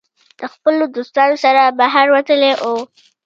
د خپلو دوستانو سره بهر وتلی وو